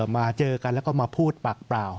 มาเจอกันแล้วก็มาพูดปากเปล่า